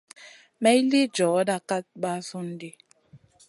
May lï djoda kat basoun ɗi.